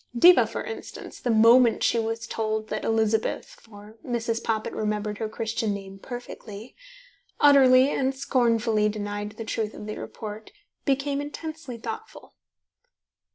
Diva, for instance, the moment she was told that Elizabeth (for Mrs. Poppit remembered her Christian name perfectly) utterly and scornfully denied the truth of the report, became intensely thoughtful.